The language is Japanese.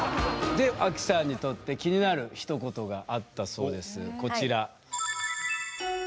でアキさんにとって気になるひと言があったそうですこちら。